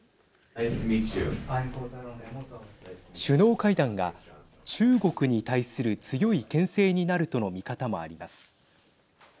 首脳会談が中国に対する強いけん制になるとの見方もあります。